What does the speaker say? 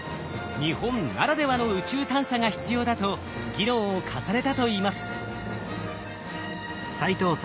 日本ならではの宇宙探査が必要だと議論を重ねたといいます。